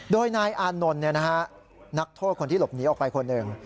โดยนายอานนท์นักโทษคนที่หลบหนีออกไปคนหนึ่ง